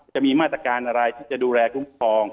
จะมีมาตรการอะไรที่จะดูแลคุ้มครอง